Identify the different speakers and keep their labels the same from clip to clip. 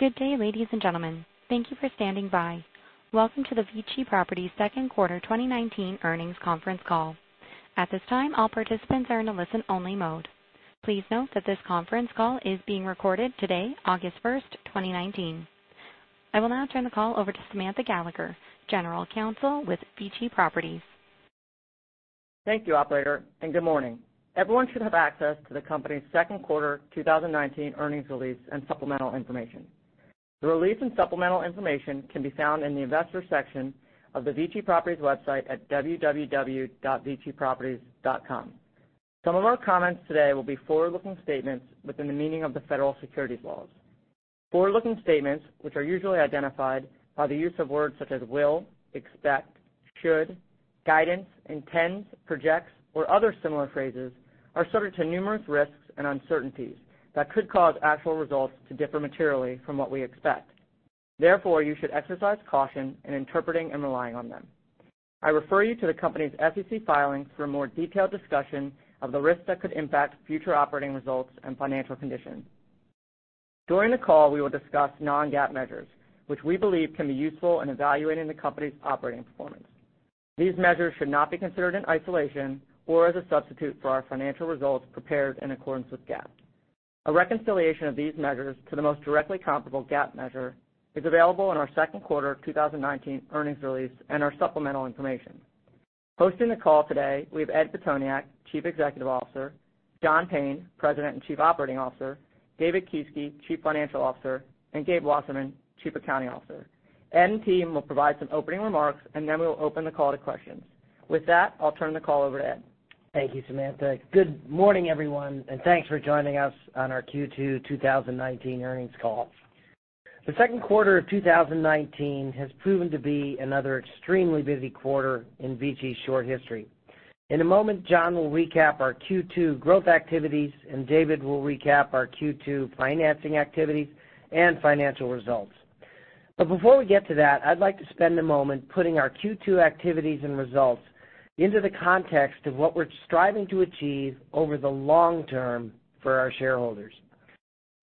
Speaker 1: Good day, ladies and gentlemen. Thank you for standing by. Welcome to the VICI Properties second quarter 2019 earnings conference call. At this time, all participants are in a listen-only mode. Please note that this conference call is being recorded today, August 1st, 2019. I will now turn the call over to Samantha Gallagher, General Counsel with VICI Properties.
Speaker 2: Thank you, operator, and good morning. Everyone should have access to the company's second quarter 2019 earnings release and supplemental information. The release and supplemental information can be found in the Investors section of the VICI Properties website at www.viciproperties.com. Some of our comments today will be forward-looking statements within the meaning of the federal securities laws. Forward-looking statements, which are usually identified by the use of words such as will, expect, should, guidance, intends, projects, or other similar phrases, are subject to numerous risks and uncertainties that could cause actual results to differ materially from what we expect. Therefore, you should exercise caution in interpreting and relying on them. I refer you to the company's SEC filings for a more detailed discussion of the risks that could impact future operating results and financial conditions. During the call, we will discuss non-GAAP measures, which we believe can be useful in evaluating the company's operating performance. These measures should not be considered in isolation or as a substitute for our financial results prepared in accordance with GAAP. A reconciliation of these measures to the most directly comparable GAAP measure is available in our second quarter 2019 earnings release and our supplemental information. Hosting the call today, we have Ed Pitoniak, Chief Executive Officer, John Payne, President and Chief Operating Officer, David Kieske, Chief Financial Officer, and Gabriel Wasserman, Chief Accounting Officer. Ed and team will provide some opening remarks, and then we'll open the call to questions. With that, I'll turn the call over to Ed.
Speaker 3: Thank you, Samantha. Good morning, everyone, and thanks for joining us on our Q2 2019 earnings call. The second quarter of 2019 has proven to be another extremely busy quarter in VICI's short history. In a moment, John will recap our Q2 growth activities, and David will recap our Q2 financing activities and financial results. Before we get to that, I'd like to spend a moment putting our Q2 activities and results into the context of what we're striving to achieve over the long term for our shareholders.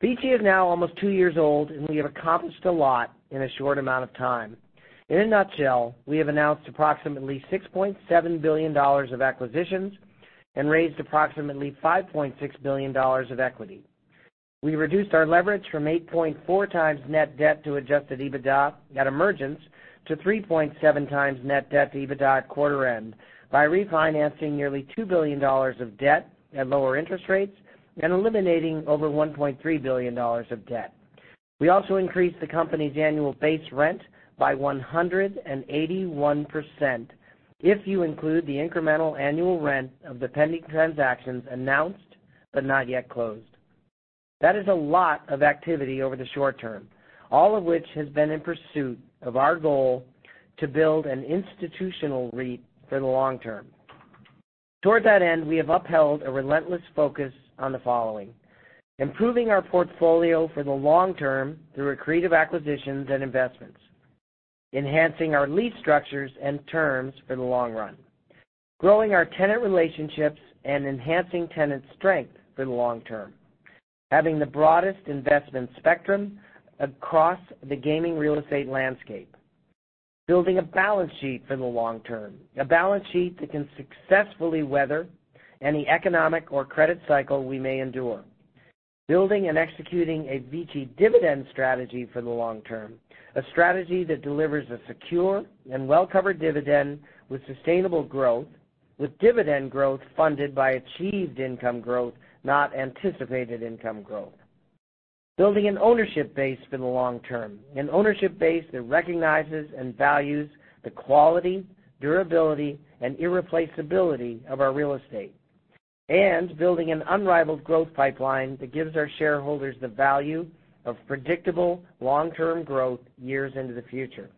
Speaker 3: VICI is now almost two years old, and we have accomplished a lot in a short amount of time. In a nutshell, we have announced approximately $6.7 billion of acquisitions and raised approximately $5.6 billion of equity. We reduced our leverage from 8.4x net debt to adjusted EBITDA at emergence to 3.7x net debt to EBITDA at quarter end by refinancing nearly $2 billion of debt at lower interest rates and eliminating over $1.3 billion of debt. We also increased the company's annual base rent by 181% if you include the incremental annual rent of the pending transactions announced but not yet closed. That is a lot of activity over the short term, all of which has been in pursuit of our goal to build an institutional REIT for the long term. Toward that end, we have upheld a relentless focus on the following: improving our portfolio for the long term through accretive acquisitions and investments, enhancing our lease structures and terms for the long run, growing our tenant relationships and enhancing tenant strength for the long term, having the broadest investment spectrum across the gaming real estate landscape, building a balance sheet for the long term, a balance sheet that can successfully weather any economic or credit cycle we may endure, building and executing a VICI dividend strategy for the long term, a strategy that delivers a secure and well-covered dividend with sustainable growth, with dividend growth funded by achieved income growth, not anticipated income growth. Building an ownership base for the long term, an ownership base that recognizes and values the quality, durability, and irreplaceability of our real estate, and building an unrivaled growth pipeline that gives our shareholders the value of predictable long-term growth years into the future.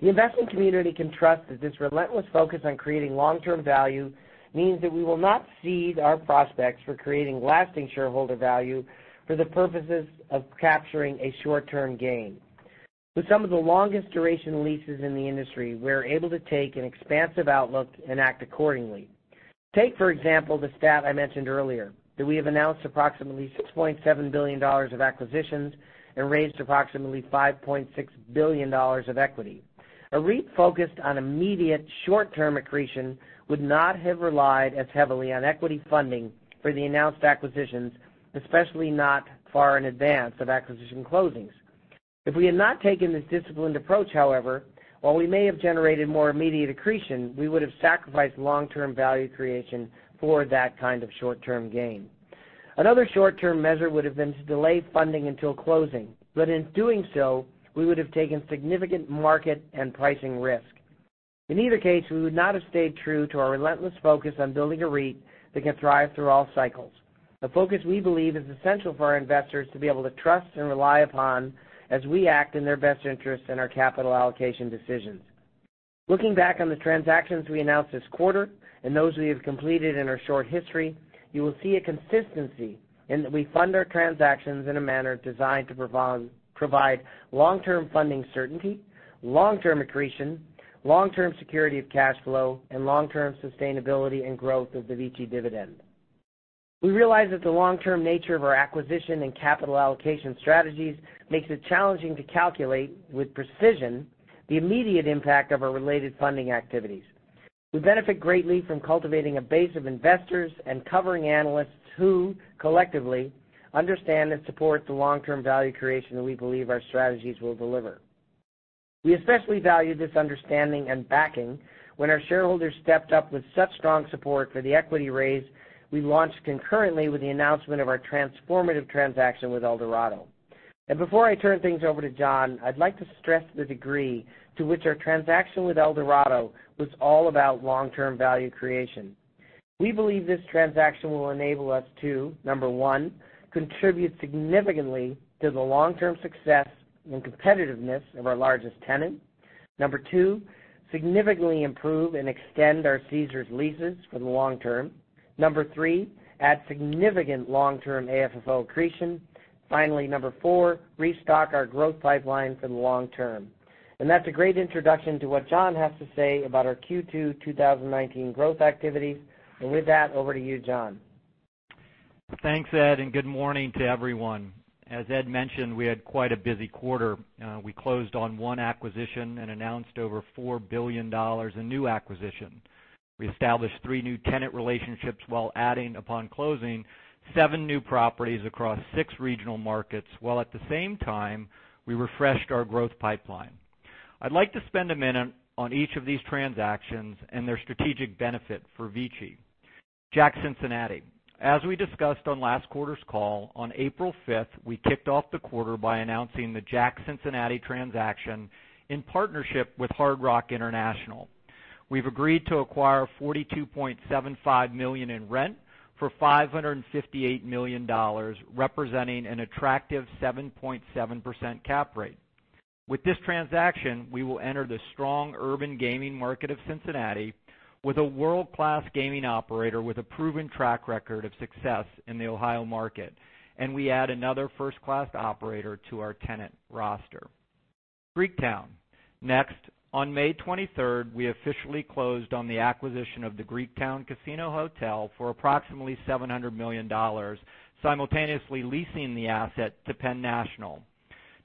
Speaker 3: The investment community can trust that this relentless focus on creating long-term value means that we will not cede our prospects for creating lasting shareholder value for the purposes of capturing a short-term gain. With some of the longest duration leases in the industry, we're able to take an expansive outlook and act accordingly. Take, for example, the stat I mentioned earlier, that we have announced approximately $6.7 billion of acquisitions and raised approximately $5.6 billion of equity. A REIT focused on immediate short-term accretion would not have relied as heavily on equity funding for the announced acquisitions, especially not far in advance of acquisition closings. If we had not taken this disciplined approach, however, while we may have generated more immediate accretion, we would have sacrificed long-term value creation for that kind of short-term gain. Another short-term measure would have been to delay funding until closing. In doing so, we would have taken significant market and pricing risk. In either case, we would not have stayed true to our relentless focus on building a REIT that can thrive through all cycles. The focus we believe is essential for our investors to be able to trust and rely upon as we act in their best interests in our capital allocation decisions. Looking back on the transactions we announced this quarter and those we have completed in our short history, you will see a consistency in that we fund our transactions in a manner designed to provide long-term funding certainty, long-term accretion, long-term security of cash flow, and long-term sustainability and growth of the VICI dividend. We realize that the long-term nature of our acquisition and capital allocation strategies makes it challenging to calculate with precision the immediate impact of our related funding activities. We benefit greatly from cultivating a base of investors and covering analysts who collectively understand and support the long-term value creation that we believe our strategies will deliver. We especially value this understanding and backing when our shareholders stepped up with such strong support for the equity raise we launched concurrently with the announcement of our transformative transaction with Eldorado. Before I turn things over to John, I'd like to stress the degree to which our transaction with Eldorado was all about long-term value creation. We believe this transaction will enable us to, number 1, contribute significantly to the long-term success and competitiveness of our largest tenant. Number 2, significantly improve and extend our Caesars leases for the long term. Number 3, add significant long-term AFFO accretion. Finally, number 4, restock our growth pipeline for the long term. That's a great introduction to what John has to say about our Q2 2019 growth activities. With that, over to you, John.
Speaker 4: Thanks, Ed. Good morning to everyone. As Ed mentioned, we had quite a busy quarter. We closed on one acquisition and announced over $4 billion in new acquisition. We established three new tenant relationships while adding, upon closing, seven new properties across six regional markets, while at the same time, we refreshed our growth pipeline. I'd like to spend a minute on each of these transactions and their strategic benefit for VICI. JACK Cincinnati. As we discussed on last quarter's call, on April fifth, we kicked off the quarter by announcing the JACK Cincinnati transaction in partnership with Hard Rock International. We've agreed to acquire $42.75 million in rent for $558 million, representing an attractive 7.7% cap rate. With this transaction, we will enter the strong urban gaming market of Cincinnati with a world-class gaming operator with a proven track record of success in the Ohio market, and we add another first-class operator to our tenant roster. Greektown. Next, on May twenty-third, we officially closed on the acquisition of the Greektown Casino-Hotel for approximately $700 million, simultaneously leasing the asset to Penn National.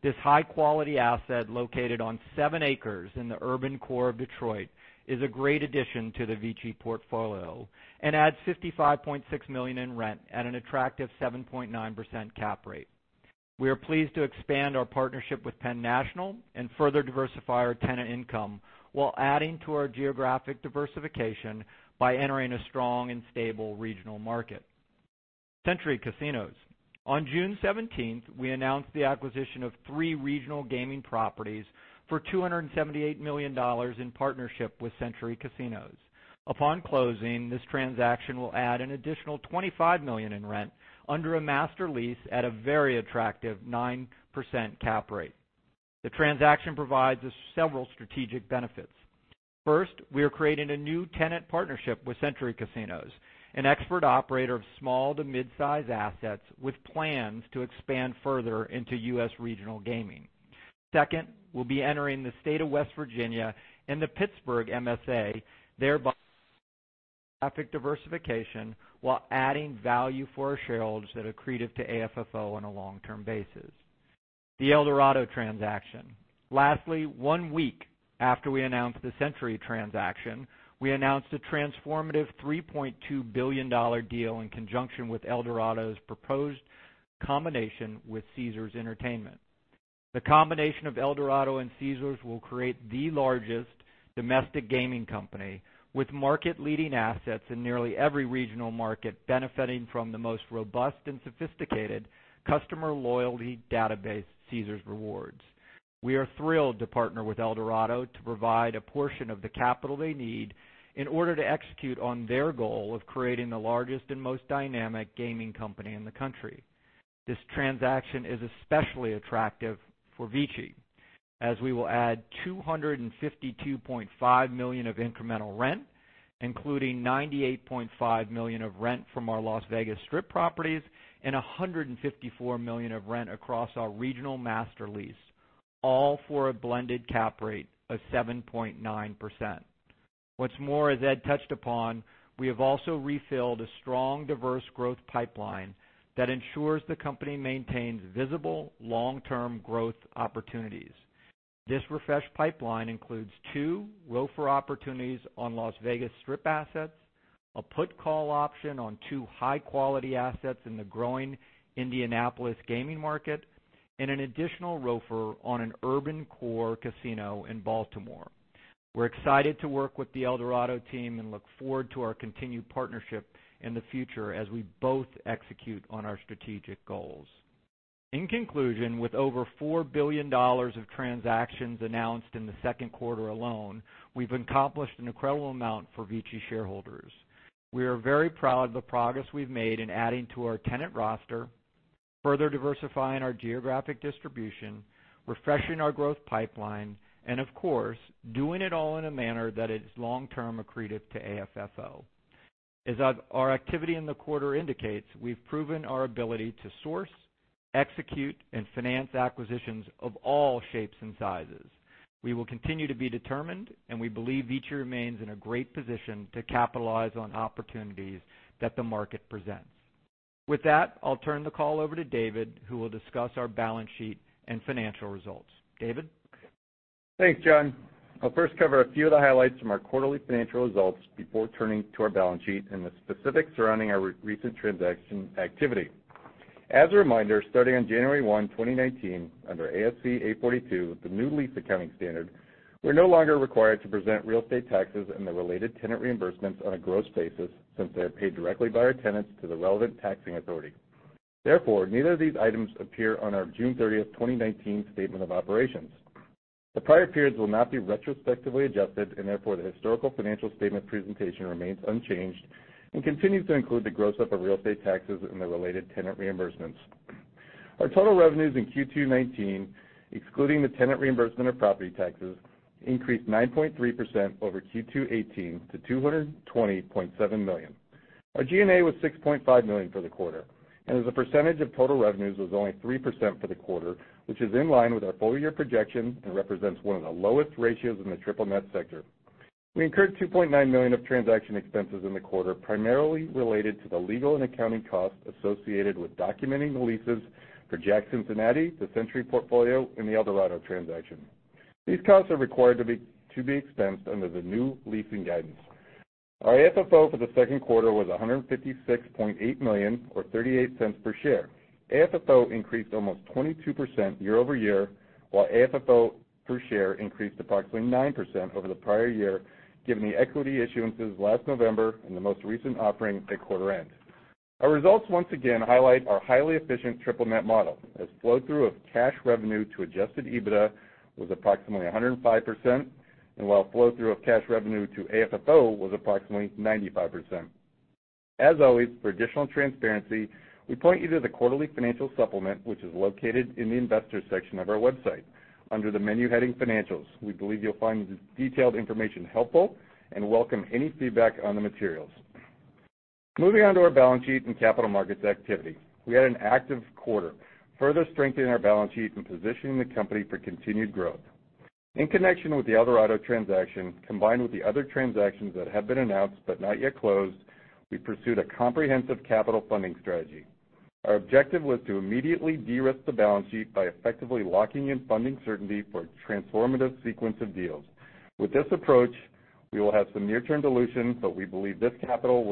Speaker 4: This high-quality asset, located on seven acres in the urban core of Detroit, is a great addition to the VICI portfolio and adds $55.6 million in rent at an attractive 7.9% cap rate. We are pleased to expand our partnership with Penn National and further diversify our tenant income while adding to our geographic diversification by entering a strong and stable regional market. Century Casinos. On June 17th, we announced the acquisition of three regional gaming properties for $278 million in partnership with Century Casinos. Upon closing, this transaction will add an additional $25 million in rent under a master lease at a very attractive 9% cap rate. The transaction provides us several strategic benefits. First, we are creating a new tenant partnership with Century Casinos, an expert operator of small to mid-size assets with plans to expand further into U.S. regional gaming. Second, we'll be entering the state of West Virginia and the Pittsburgh MSA, thereby diversification while adding value for our shareholders that accretive to AFFO on a long-term basis. The Eldorado transaction. Lastly, one week after we announced the Century transaction, we announced a transformative $3.2 billion deal in conjunction with Eldorado's proposed combination with Caesars Entertainment. The combination of Eldorado and Caesars will create the largest domestic gaming company with market-leading assets in nearly every regional market benefiting from the most robust and sophisticated customer loyalty database, Caesars Rewards. We are thrilled to partner with Eldorado to provide a portion of the capital they need in order to execute on their goal of creating the largest and most dynamic gaming company in the country. This transaction is especially attractive for VICI, as we will add $252.5 million of incremental rent, including $98.5 million of rent from our Las Vegas Strip properties and $154 million of rent across our regional master lease, all for a blended cap rate of 7.9%. As Ed touched upon, we have also refilled a strong, diverse growth pipeline that ensures the company maintains visible long-term growth opportunities. This refreshed pipeline includes two ROFR opportunities on Las Vegas Strip assets, a put call option on two high-quality assets in the growing Indianapolis gaming market, and an additional ROFR on an urban core casino in Baltimore. We're excited to work with the Eldorado team and look forward to our continued partnership in the future as we both execute on our strategic goals. In conclusion, with over $4 billion of transactions announced in the second quarter alone, we've accomplished an incredible amount for VICI shareholders. We are very proud of the progress we've made in adding to our tenant roster, further diversifying our geographic distribution, refreshing our growth pipeline, and of course, doing it all in a manner that is long-term accretive to AFFO. As our activity in the quarter indicates, we've proven our ability to source, execute and finance acquisitions of all shapes and sizes. We will continue to be determined, and we believe VICI remains in a great position to capitalize on opportunities that the market presents. With that, I'll turn the call over to David, who will discuss our balance sheet and financial results. David?
Speaker 5: Thanks, John. I'll first cover a few of the highlights from our quarterly financial results before turning to our balance sheet and the specifics surrounding our recent transaction activity. As a reminder, starting on January 1, 2019, under ASC 842, the new lease accounting standard, we're no longer required to present real estate taxes and the related tenant reimbursements on a gross basis, since they are paid directly by our tenants to the relevant taxing authority. Neither of these items appear on our June 30th, 2019 statement of operations. The prior periods will not be retrospectively adjusted, therefore, the historical financial statement presentation remains unchanged and continues to include the gross up of real estate taxes and the related tenant reimbursements. Our total revenues in Q2 2019, excluding the tenant reimbursement of property taxes, increased 9.3% over Q2 2018 to $220.7 million. Our G&A was $6.5 million for the quarter, and as a percentage of total revenues was only 3% for the quarter, which is in line with our full-year projection and represents one of the lowest ratios in the triple net sector. We incurred $2.9 million of transaction expenses in the quarter, primarily related to the legal and accounting costs associated with documenting the leases for JACK Cincinnati, the Century portfolio, and the Eldorado transaction. These costs are required to be expensed under the new leasing guidance. Our AFFO for the second quarter was $156.8 million, or $0.38 per share. AFFO increased almost 22% year-over-year, while AFFO per share increased approximately 9% over the prior year, given the equity issuances last November and the most recent offering at quarter end. Our results once again highlight our highly efficient triple net model, as flow-through of cash revenue to adjusted EBITDA was approximately 105%, and while flow-through of cash revenue to AFFO was approximately 95%. As always, for additional transparency, we point you to the quarterly financial supplement, which is located in the Investors section of our website under the menu heading Financials. We believe you'll find the detailed information helpful and welcome any feedback on the materials. Moving on to our balance sheet and capital markets activity. We had an active quarter, further strengthening our balance sheet and positioning the company for continued growth. In connection with the Eldorado transaction, combined with the other transactions that have been announced but not yet closed, we pursued a comprehensive capital funding strategy. Our objective was to immediately de-risk the balance sheet by effectively locking in funding certainty for a transformative sequence of deals. With this approach, we will have some near-term dilution, but we believe this capital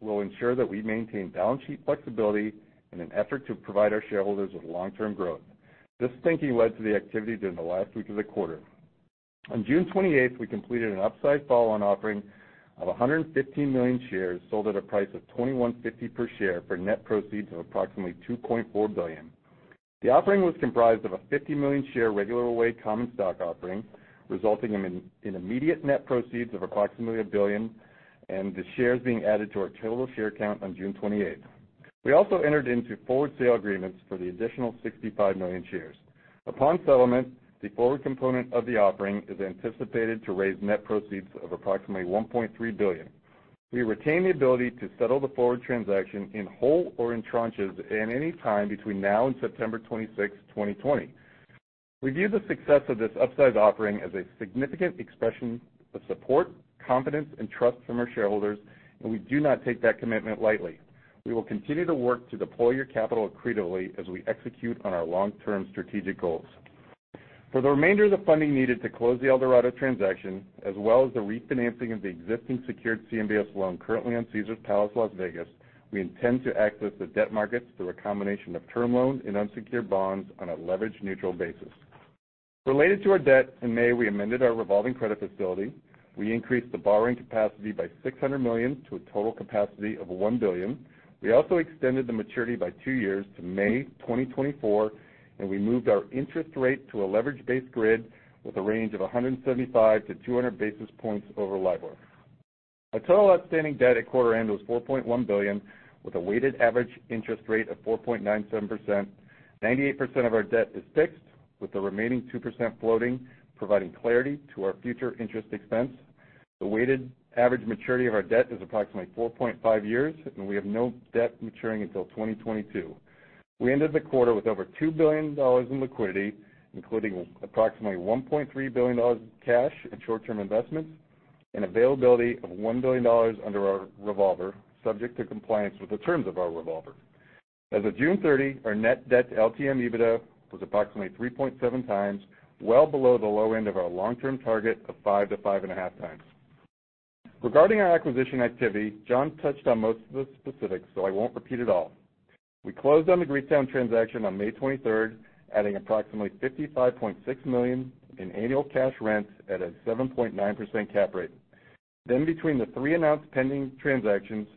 Speaker 5: will ensure that we maintain balance sheet flexibility in an effort to provide our shareholders with long-term growth. This thinking led to the activity during the last week of the quarter. On June 28th, we completed an upsize follow-on offering of 115 million shares sold at a price of $21.50 per share for net proceeds of approximately $2.4 billion. The offering was comprised of a 50-million share regular way common stock offering, resulting in immediate net proceeds of approximately $1 billion, and the shares being added to our total share count on June 28th. We also entered into forward sale agreements for the additional 65 million shares. Upon settlement, the forward component of the offering is anticipated to raise net proceeds of approximately $1.3 billion. We retain the ability to settle the forward transaction in whole or in tranches at any time between now and September 26, 2020. We view the success of this upsize offering as a significant expression of support, confidence, and trust from our shareholders, and we do not take that commitment lightly. We will continue to work to deploy your capital accretively as we execute on our long-term strategic goals. For the remainder of the funding needed to close the Eldorado transaction, as well as the refinancing of the existing secured CMBS loan currently on Caesars Palace Las Vegas, we intend to access the debt markets through a combination of term loan and unsecured bonds on a leverage neutral basis. Related to our debt, in May, we amended our revolving credit facility. We increased the borrowing capacity by $600 million to a total capacity of $1 billion. We also extended the maturity by two years to May 2024. We moved our interest rate to a leverage-based grid with a range of 175 to 200 basis points over LIBOR. Our total outstanding debt at quarter end was $4.1 billion, with a weighted average interest rate of 4.97%. 98% of our debt is fixed, with the remaining 2% floating, providing clarity to our future interest expense. The weighted average maturity of our debt is approximately 4.5 years. We have no debt maturing until 2022. We ended the quarter with over $2 billion in liquidity, including approximately $1.3 billion in cash and short-term investments, availability of $1 billion under our revolver, subject to compliance with the terms of our revolver. As of June 30, our net debt to LTM EBITDA was approximately 3.7 times, well below the low end of our long-term target of five to five and a half times. Regarding our acquisition activity, John touched on most of the specifics, so I won't repeat it all. We closed on the Greektown transaction on May 23rd, adding approximately $55.6 million in annual cash rents at a 7.9% cap rate. Between the three announced pending transactions,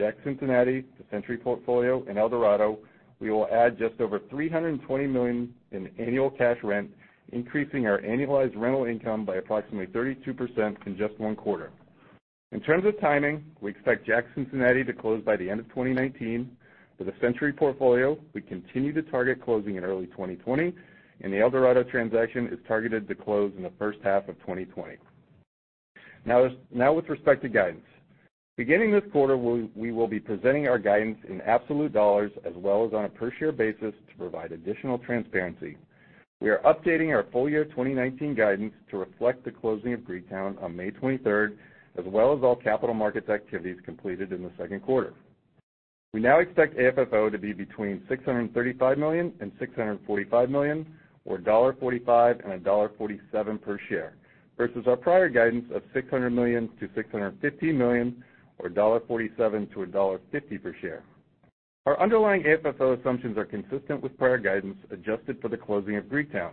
Speaker 5: JACK Cincinnati, the Century portfolio, and Eldorado, we will add just over $320 million in annual cash rent, increasing our annualized rental income by approximately 32% in just one quarter. In terms of timing, we expect JACK Cincinnati to close by the end of 2019. For the Century portfolio, we continue to target closing in early 2020, and the Eldorado transaction is targeted to close in the first half of 2020. With respect to guidance. Beginning this quarter, we will be presenting our guidance in absolute dollars as well as on a per-share basis to provide additional transparency. We are updating our full year 2019 guidance to reflect the closing of Greektown on May 23rd, as well as all capital markets activities completed in the second quarter. We now expect AFFO to be between $635 million and $645 million, or $1.45 and $1.47 per share, versus our prior guidance of $600 million to $650 million, or $1.47 to $1.50 per share. Our underlying AFFO assumptions are consistent with prior guidance, adjusted for the closing of Greektown.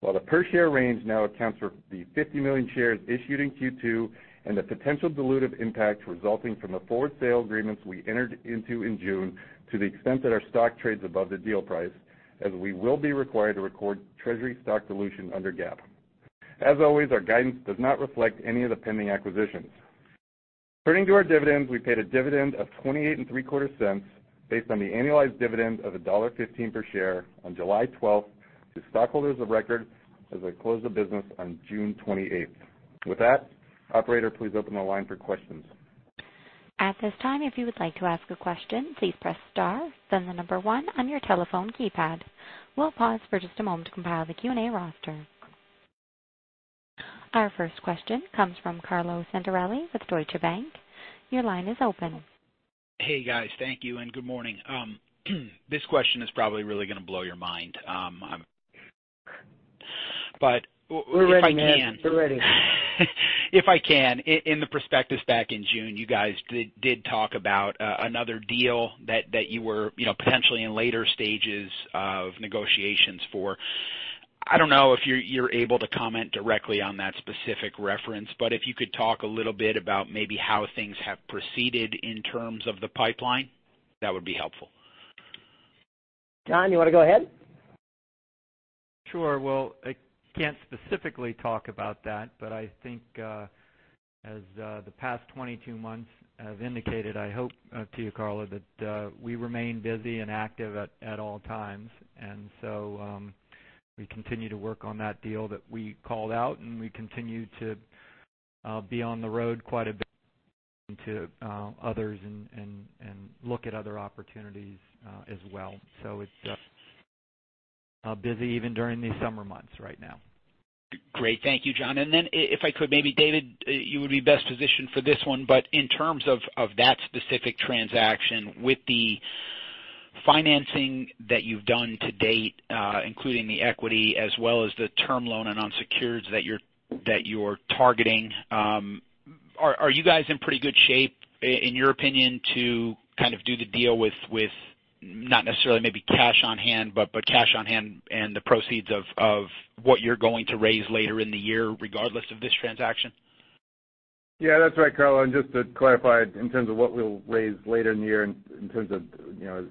Speaker 5: While the per-share range now accounts for the 50 million shares issued in Q2 and the potential dilutive impact resulting from the forward sale agreements we entered into in June to the extent that our stock trades above the deal price, as we will be required to record treasury stock dilution under GAAP. As always, our guidance does not reflect any of the pending acquisitions. Turning to our dividends, we paid a dividend of 28 and three quarter cents based on the annualized dividend of $1.15 per share on July 12th to stockholders of record as they closed the business on June 28th. With that, operator, please open the line for questions.
Speaker 1: At this time, if you would like to ask a question, please press star, then the number one on your telephone keypad. We'll pause for just a moment to compile the Q&A roster. Our first question comes from Carlo Santarelli with Deutsche Bank. Your line is open.
Speaker 6: Hey, guys. Thank you and good morning. This question is probably really going to blow your mind.
Speaker 3: We're ready, man. We're ready
Speaker 6: If I can, in the prospectus back in June, you guys did talk about another deal that you were potentially in later stages of negotiations for. I don't know if you're able to comment directly on that specific reference, but if you could talk a little bit about maybe how things have proceeded in terms of the pipeline, that would be helpful.
Speaker 3: John, you want to go ahead?
Speaker 4: Sure. Well, I can't specifically talk about that, but I think as the past 22 months have indicated, I hope to you, Carlo, that we remain busy and active at all times. We continue to work on that deal that we called out, and we continue to be on the road quite a bit to others and look at other opportunities as well. It's busy even during these summer months right now.
Speaker 6: Great. Thank you, John. Then if I could, maybe David, you would be best positioned for this one, but in terms of that specific transaction with the financing that you've done to date, including the equity as well as the term loan and unsecured that you're targeting, are you guys in pretty good shape, in your opinion, to kind of do the deal with not necessarily maybe cash on hand, but cash on hand and the proceeds of what you're going to raise later in the year, regardless of this transaction?
Speaker 5: Yeah, that's right, Carlo. Just to clarify, in terms of what we'll raise later in the year in terms of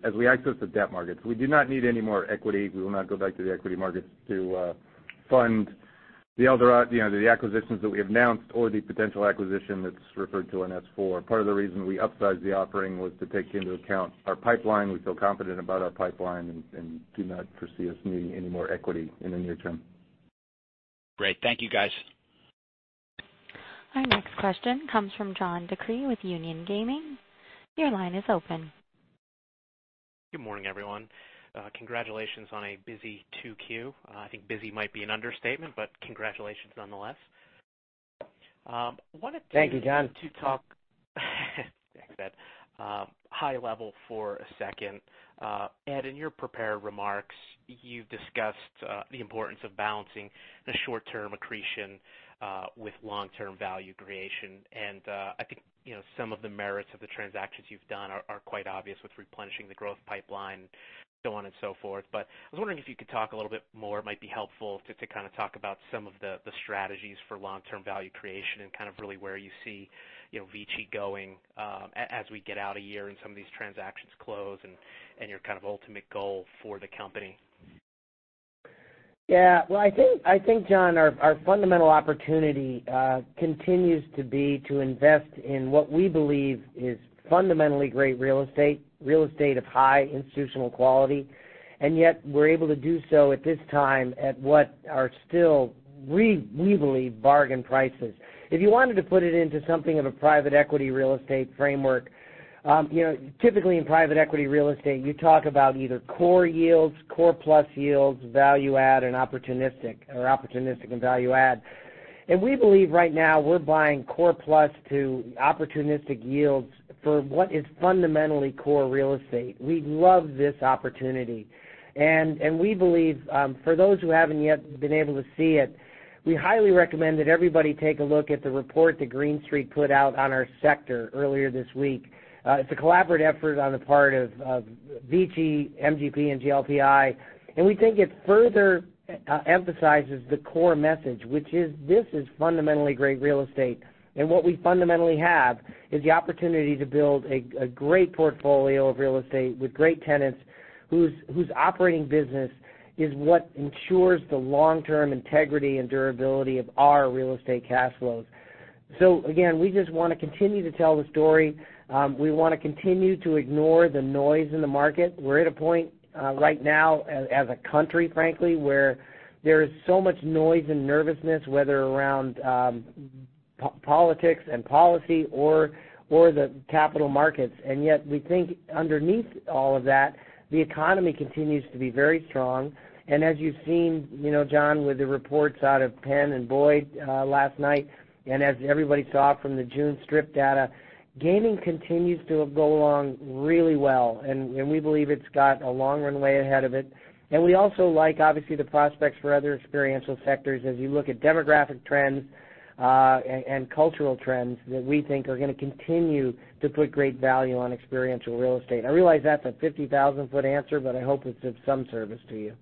Speaker 5: as we access the debt markets. We do not need any more equity. We will not go back to the equity markets to fund the acquisitions that we have announced or the potential acquisition that's referred to in S-4. Part of the reason we upsized the offering was to take into account our pipeline. We feel confident about our pipeline and do not foresee us needing any more equity in the near term.
Speaker 6: Great. Thank you, guys.
Speaker 1: Our next question comes from John DeCree with Union Gaming. Your line is open.
Speaker 7: Good morning, everyone. Congratulations on a busy 2Q. I think busy might be an understatement, but congratulations nonetheless.
Speaker 3: Thank you, John.
Speaker 7: Wanted to talk thanks, Ed, high level for a second. Ed, in your prepared remarks, you've discussed the importance of balancing the short-term accretion with long-term value creation. I think some of the merits of the transactions you've done are quite obvious with replenishing the growth pipeline, so on and so forth. I was wondering if you could talk a little bit more. It might be helpful to kind of talk about some of the strategies for long-term value creation and kind of really where you see VICI going as we get out a year and some of these transactions close and your kind of ultimate goal for the company.
Speaker 3: Well, I think, John, our fundamental opportunity continues to be to invest in what we believe is fundamentally great real estate, real estate of high institutional quality, and yet we're able to do so at this time at what are still, we believe, bargain prices. If you wanted to put it into something of a private equity real estate framework, typically in private equity real estate, you talk about either core yields, core plus yields, value add, and opportunistic, or opportunistic and value add. We believe right now we're buying core plus to opportunistic yields for what is fundamentally core real estate. We love this opportunity. We believe, for those who haven't yet been able to see it, we highly recommend that everybody take a look at the report that Green Street put out on our sector earlier this week. It's a collaborative effort on the part of VICI, MGP, and GLPI, and we think it further emphasizes the core message, which is this is fundamentally great real estate. What we fundamentally have is the opportunity to build a great portfolio of real estate with great tenants whose operating business is what ensures the long-term integrity and durability of our real estate cash flows. Again, we just want to continue to tell the story. We want to continue to ignore the noise in the market. We're at a point right now as a country, frankly, where there is so much noise and nervousness, whether around politics and policy or the capital markets. Yet, we think underneath all of that, the economy continues to be very strong. As you've seen, John, with the reports out of Penn and Boyd last night, and as everybody saw from the June Strip data, gaming continues to go along really well, and we believe it's got a long runway ahead of it. We also like, obviously, the prospects for other experiential sectors as you look at demographic trends and cultural trends that we think are going to continue to put great value on experiential real estate. I realize that's a 50,000-foot answer, but I hope it's of some service to you.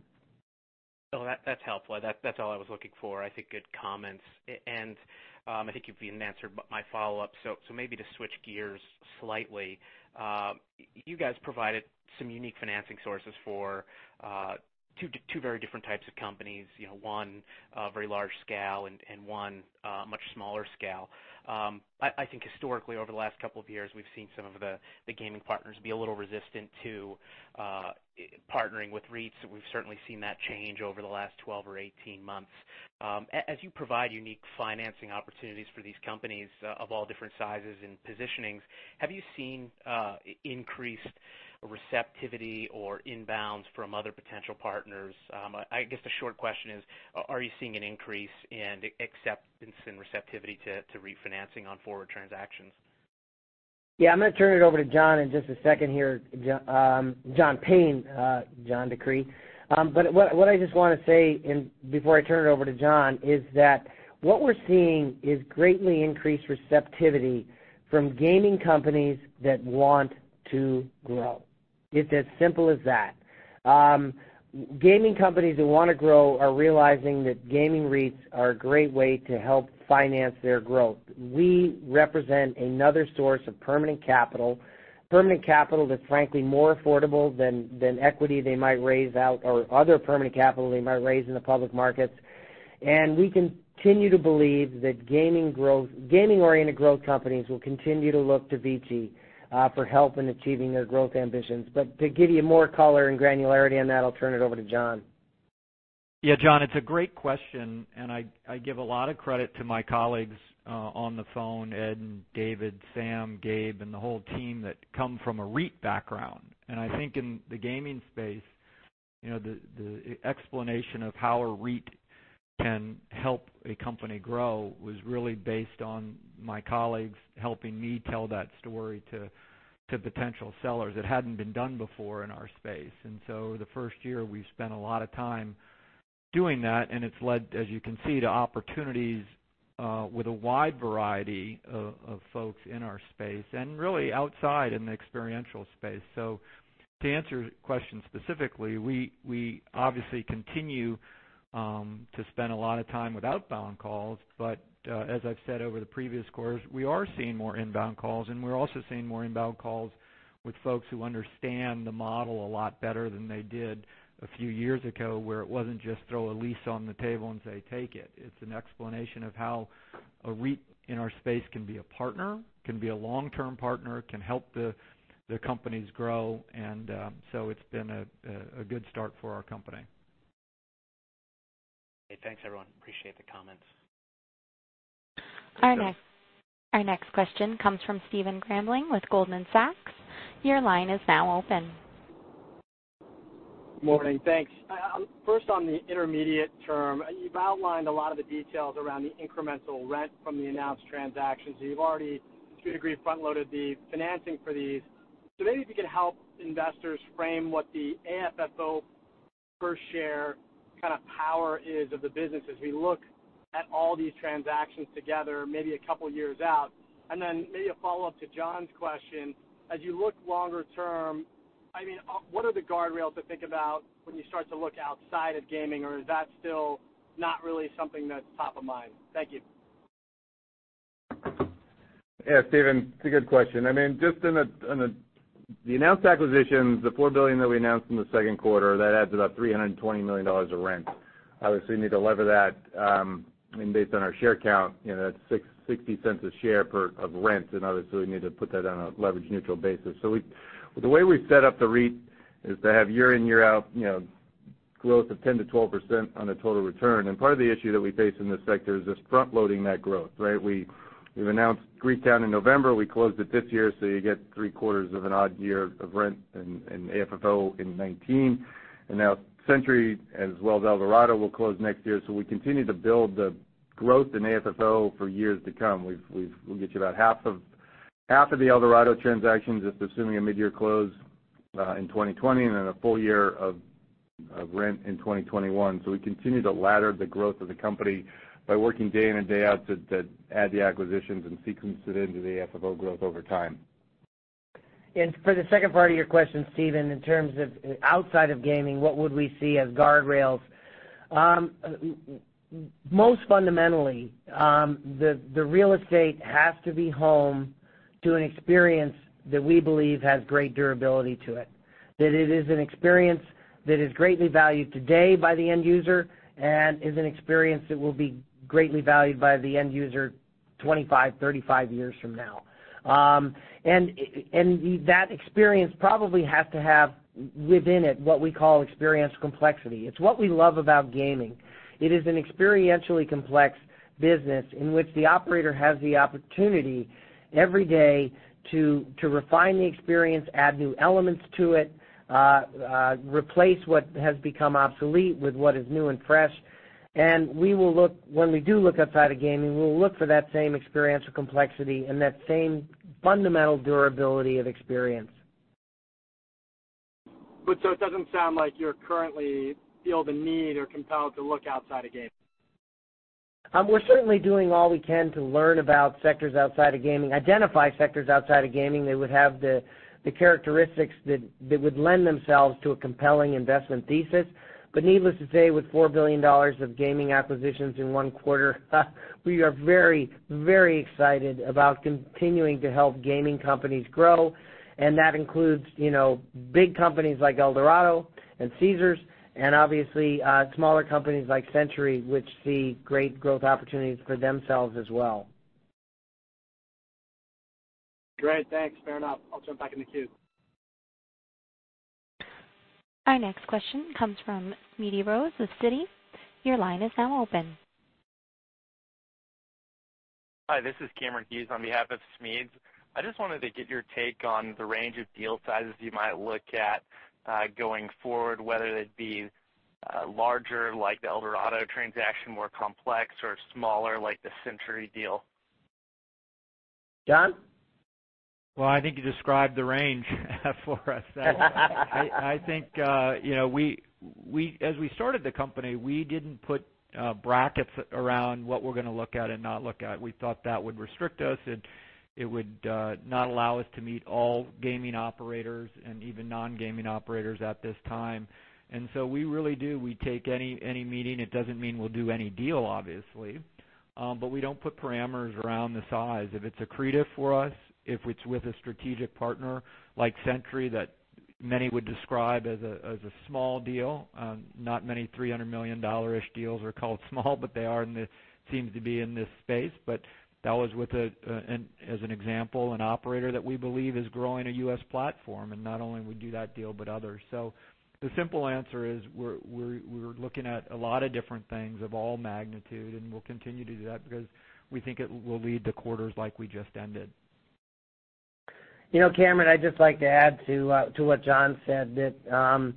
Speaker 7: No, that's helpful. That's all I was looking for. I think good comments. I think you've even answered my follow-up. Maybe to switch gears slightly, you guys provided some unique financing sources for 2 very different types of companies. One, very large scale, and one, much smaller scale. I think historically, over the last couple of years, we've seen some of the gaming partners be a little resistant to partnering with REITs. We've certainly seen that change over the last 12 or 18 months. As you provide unique financing opportunities for these companies of all different sizes and positionings, have you seen increased receptivity or inbounds from other potential partners? I guess the short question is, are you seeing an increase in acceptance and receptivity to refinancing on forward transactions?
Speaker 3: Yeah, I'm going to turn it over to John in just a second here, John Payne, John DeCree. What I just want to say before I turn it over to John is that what we're seeing is greatly increased receptivity from gaming companies that want to grow. It's as simple as that. Gaming companies that want to grow are realizing that gaming REITs are a great way to help finance their growth. We represent another source of permanent capital. Permanent capital that's frankly more affordable than equity they might raise out or other permanent capital they might raise in the public markets. We continue to believe that gaming-oriented growth companies will continue to look to VICI for help in achieving their growth ambitions. To give you more color and granularity on that, I'll turn it over to John.
Speaker 4: Yeah, John, it's a great question. I give a lot of credit to my colleagues on the phone, Ed, David, Sam, Gabe, and the whole team that come from a REIT background. I think in the gaming space, the explanation of how a REIT can help a company grow was really based on my colleagues helping me tell that story to potential sellers. It hadn't been done before in our space. The first year, we spent a lot of time doing that, and it's led, as you can see, to opportunities with a wide variety of folks in our space and really outside in the experiential space. To answer your question specifically, we obviously continue to spend a lot of time with outbound calls. As I've said over the previous quarters, we are seeing more inbound calls, and we're also seeing more inbound calls with folks who understand the model a lot better than they did a few years ago, where it wasn't just throw a lease on the table and say, "Take it." It's an explanation of how a REIT in our space can be a partner, can be a long-term partner, can help the companies grow. It's been a good start for our company.
Speaker 7: Okay, thanks, everyone. Appreciate the comments.
Speaker 1: Our next question comes from Stephen Grambling with Goldman Sachs. Your line is now open.
Speaker 8: Morning. Thanks. First, on the intermediate term, you've outlined a lot of the details around the incremental rent from the announced transactions. You've already, to a degree, front-loaded the financing for these. Maybe if you could help investors frame what the AFFO per share kind of power is of the business as we look at all these transactions together, maybe a couple of years out. Then maybe a follow-up to John's question. As you look longer term, what are the guardrails to think about when you start to look outside of gaming, or is that still not really something that's top of mind? Thank you.
Speaker 5: Stephen, it's a good question. Just in the announced acquisitions, the $4 billion that we announced in the second quarter, that adds about $320 million of rent. Obviously, we need to lever that, and based on our share count, that's $0.60 a share of rent, and obviously, we need to put that on a leverage-neutral basis. The way we've set up the REIT is to have year in, year out growth of 10%-12% on a total return. Part of the issue that we face in this sector is this front-loading that growth, right? We've announced Greektown in November. We closed it this year, so you get three quarters of an odd year of rent and AFFO in 2019. Now Century, as well as Eldorado, will close next year. We continue to build the growth in AFFO for years to come. We'll get you about half of the Eldorado transactions, just assuming a mid-year close in 2020, and then a full year of rent in 2021. We continue to ladder the growth of the company by working day in and day out to add the acquisitions and sequence it into the AFFO growth over time.
Speaker 3: For the second part of your question, Stephen, in terms of outside of gaming, what would we see as guardrails. Most fundamentally, the real estate has to be home to an experience that we believe has great durability to it, that it is an experience that is greatly valued today by the end user and is an experience that will be greatly valued by the end user 25, 35 years from now. That experience probably has to have within it what we call experience complexity. It's what we love about gaming. It is an experientially complex business in which the operator has the opportunity every day to refine the experience, add new elements to it, replace what has become obsolete with what is new and fresh. When we do look outside of gaming, we will look for that same experience of complexity and that same fundamental durability of experience.
Speaker 8: It doesn't sound like you currently feel the need or compelled to look outside of gaming.
Speaker 3: We're certainly doing all we can to learn about sectors outside of gaming, identify sectors outside of gaming that would have the characteristics that would lend themselves to a compelling investment thesis. Needless to say, with $4 billion of gaming acquisitions in one quarter we are very excited about continuing to help gaming companies grow. That includes big companies like Eldorado and Caesars, and obviously, smaller companies like Century, which see great growth opportunities for themselves as well.
Speaker 8: Great. Thanks. Fair enough. I'll jump back in the queue.
Speaker 1: Our next question comes from Smedes Rose with Citi. Your line is now open.
Speaker 9: Hi, this is Cameron Hughes on behalf of Smedes. I just wanted to get your take on the range of deal sizes you might look at going forward, whether they'd be larger, like the Eldorado transaction, more complex or smaller, like the Century deal.
Speaker 3: John?
Speaker 4: Well, I think you described the range for us. As we started the company, we didn't put brackets around what we're going to look at and not look at. We thought that would restrict us, and it would not allow us to meet all gaming operators and even non-gaming operators at this time. We really do, we take any meeting. It doesn't mean we'll do any deal, obviously. We don't put parameters around the size. If it's accretive for us, if it's with a strategic partner like Century that many would describe as a small deal. Not many $300 million-ish deals are called small, but they are, and it seems to be in this space. That was as an example, an operator that we believe is growing a U.S. platform, and not only we do that deal, but others. The simple answer is we're looking at a lot of different things of all magnitude, and we'll continue to do that because we think it will lead to quarters like we just ended.
Speaker 3: Cameron, I'd just like to add to what John said, that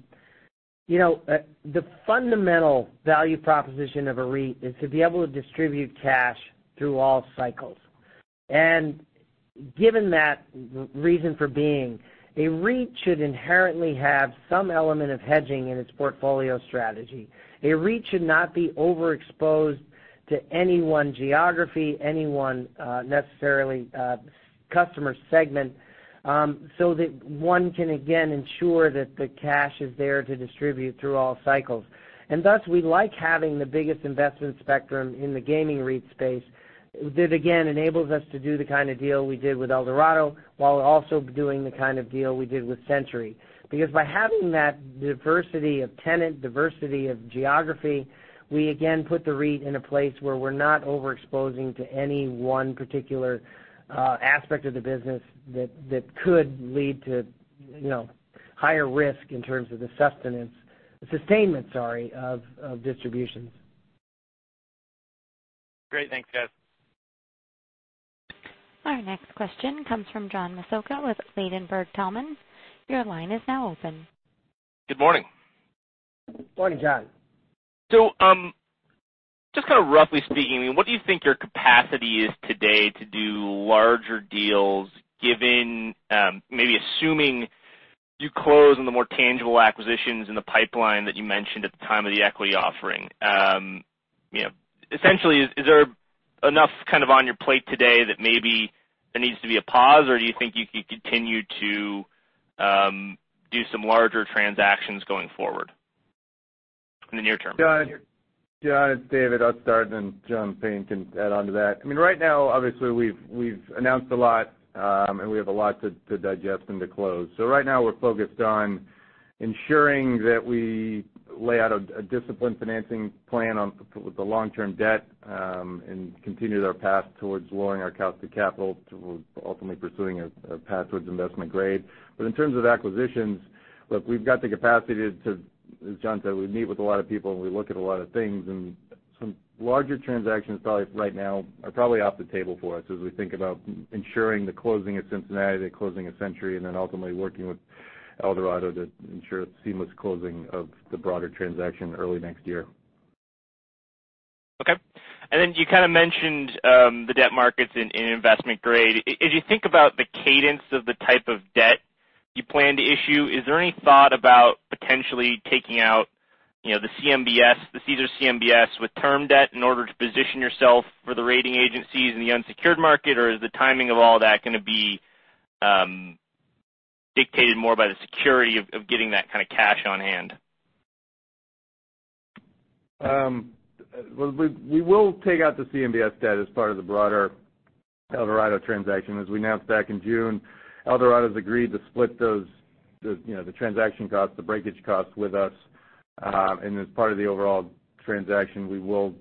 Speaker 3: the fundamental value proposition of a REIT is to be able to distribute cash through all cycles. Given that reason for being, a REIT should inherently have some element of hedging in its portfolio strategy. A REIT should not be overexposed to any one geography, any one customer segment, so that one can, again, ensure that the cash is there to distribute through all cycles. Thus, we like having the biggest investment spectrum in the gaming REIT space. That, again, enables us to do the kind of deal we did with Eldorado, while also doing the kind of deal we did with Century. By having that diversity of tenant, diversity of geography, we again put the REIT in a place where we're not overexposing to any one particular aspect of the business that could lead to higher risk in terms of the sustenance of distributions.
Speaker 9: Great. Thanks, guys.
Speaker 1: Our next question comes from John Massocca with Ladenburg Thalmann. Your line is now open.
Speaker 10: Good morning.
Speaker 3: Morning, John.
Speaker 10: Just kind of roughly speaking, what do you think your capacity is today to do larger deals, given maybe assuming you close on the more tangible acquisitions in the pipeline that you mentioned at the time of the equity offering? Essentially, is there enough on your plate today that maybe there needs to be a pause, or do you think you could continue to do some larger transactions going forward in the near term?
Speaker 5: John, it's David Kieske, and John Payne can add onto that. Right now, obviously, we've announced a lot, and we have a lot to digest and to close. Right now, we're focused on ensuring that we lay out a disciplined financing plan with the long-term debt, and continue our path towards lowering our cost of capital towards ultimately pursuing a path towards investment grade. In terms of acquisitions, look, we've got the capacity to, as John said, we meet with a lot of people, and we look at a lot of things, and some larger transactions right now are probably off the table for us as we think about ensuring the closing at Cincinnati, the closing at Century, and then ultimately working with Eldorado to ensure a seamless closing of the broader transaction early next year.
Speaker 10: Okay. You kind of mentioned the debt markets in investment grade. As you think about the cadence of the type of debt you plan to issue, is there any thought about potentially taking out the CMBS, the Caesars CMBS with term debt in order to position yourself for the rating agencies in the unsecured market, or is the timing of all that going to be dictated more by the security of getting that kind of cash on hand?
Speaker 5: We will take out the CMBS debt as part of the broader Eldorado transaction. As we announced back in June, Eldorado's agreed to split the transaction costs, the breakage costs with us. As part of the overall transaction, we will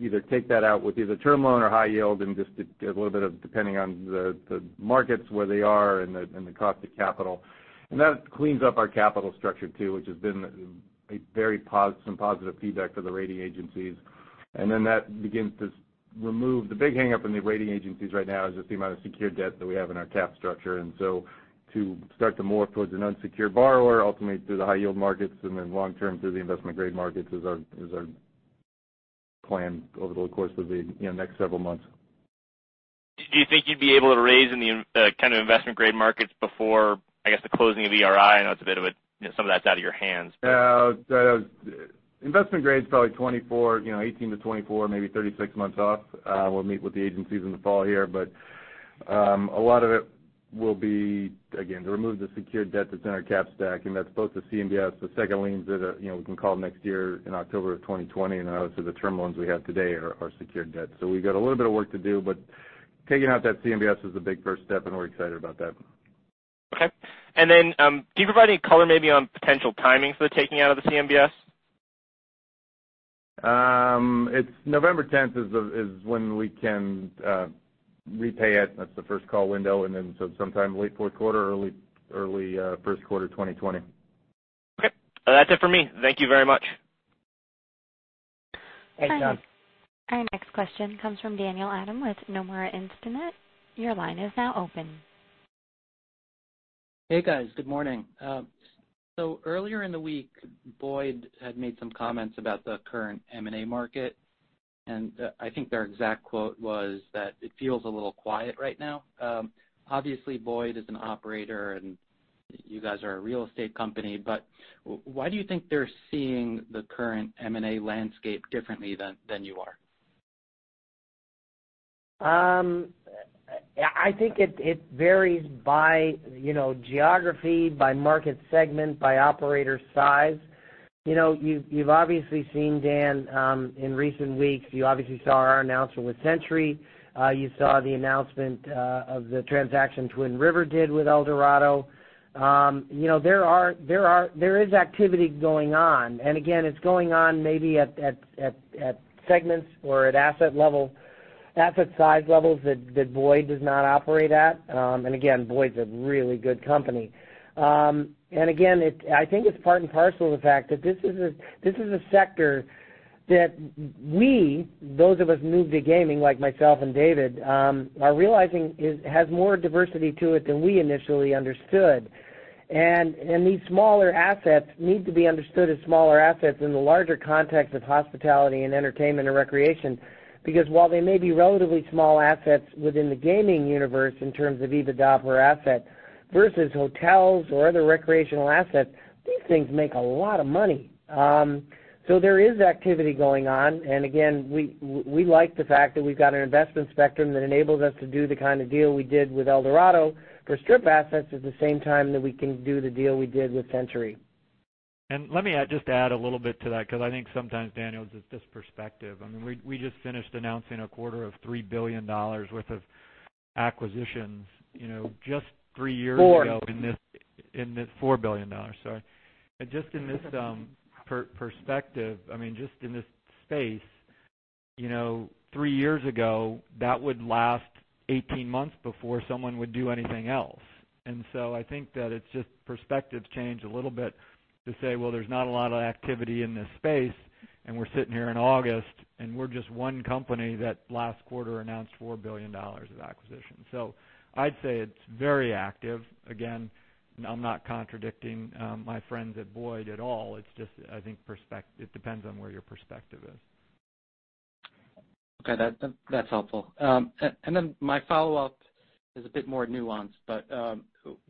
Speaker 5: either take that out with either term loan or high yield and just a little bit of depending on the markets, where they are and the cost of capital. That cleans up our capital structure, too, which has been some positive feedback for the rating agencies. That begins to remove the big hang-up in the rating agencies right now is just the amount of secured debt that we have in our cap structure. To start to morph towards an unsecured borrower, ultimately through the high-yield markets and then long term through the investment-grade markets is our plan over the course of the next several months.
Speaker 10: Do you think you'd be able to raise in the kind of investment-grade markets before, I guess, the closing of ERI? I know some of that's out of your hands.
Speaker 5: Investment grade is probably 18 to 24, maybe 36 months off. We'll meet with the agencies in the fall here, but a lot of it will be, again, to remove the secured debt that's in our cap stack, and that's both the CMBS, the second liens that we can call next year in October of 2020, and obviously, the term loans we have today are secured debt. We've got a little bit of work to do, but taking out that CMBS is the big first step, and we're excited about that.
Speaker 10: Okay. Do you provide any color maybe on potential timing for the taking out of the CMBS?
Speaker 4: November 10th is when we can repay it. That's the first call window, sometime late fourth quarter, early first quarter 2020.
Speaker 10: Okay. That's it for me. Thank you very much.
Speaker 3: Thanks, John.
Speaker 1: Our next question comes from Daniel Adam with Nomura Instinet. Your line is now open.
Speaker 11: Hey, guys. Good morning. Earlier in the week, Boyd had made some comments about the current M&A market, and I think their exact quote was that it feels a little quiet right now. Obviously, Boyd is an operator, and you guys are a real estate company, but why do you think they're seeing the current M&A landscape differently than you are?
Speaker 3: I think it varies by geography, by market segment, by operator size. You've obviously seen, Dan, in recent weeks, you obviously saw our announcement with Century. You saw the announcement of the transaction Twin River did with Eldorado. There is activity going on. Again, it's going on maybe at segments or at asset size levels that Boyd does not operate at. Again, Boyd's a really good company. Again, I think it's part and parcel of the fact that this is a sector that we, those of us new to gaming, like myself and David, are realizing it has more diversity to it than we initially understood. These smaller assets need to be understood as smaller assets in the larger context of hospitality and entertainment and recreation, because while they may be relatively small assets within the gaming universe in terms of EBITDA per asset versus hotels or other recreational assets, these things make a lot of money. There is activity going on. Again, we like the fact that we've got an investment spectrum that enables us to do the kind of deal we did with Eldorado for strip assets at the same time that we can do the deal we did with Century.
Speaker 4: Let me just add a little bit to that, because I think sometimes, Daniel, it's just perspective. We just finished announcing a quarter of $3 billion worth of acquisitions just three years ago.
Speaker 3: Four.
Speaker 4: $4 billion, sorry. Just in this perspective, just in this space, three years ago, that would last 18 months before someone would do anything else. I think that it's just perspectives change a little bit to say, well, there's not a lot of activity in this space, and we're sitting here in August, and we're just one company that last quarter announced $4 billion of acquisitions. I'd say it's very active. Again, I'm not contradicting my friends at Boyd at all. It's just, I think, it depends on where your perspective is.
Speaker 11: Okay, that's helpful. My follow-up is a bit more nuanced, but